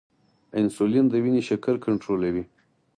انسولین د وینې شکر کنټرولوي